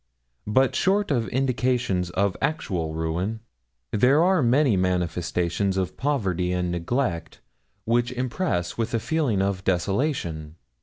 But short of indications of actual ruin, there are many manifestations of poverty and neglect which impress with a feeling of desolation.